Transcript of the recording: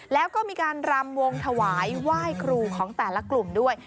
แล้วก็มีการรำวงถวายไหว้ครูของแต่ละกลุ่มด้วย